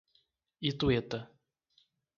Itueta